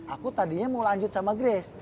aku tadinya mau lanjut sama grace